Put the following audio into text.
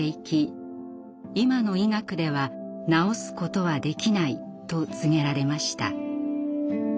今の医学では治すことはできない」と告げられました。